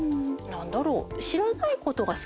何だろう。